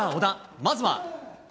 まずは。